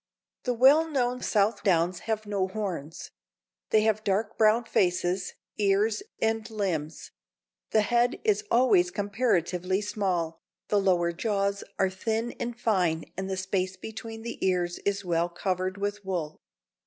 The well known Southdowns have no horns; they have dark brown faces, ears and limbs; the head is always comparatively small, the lower jaws are thin and fine and the space between the ears is well covered with wool.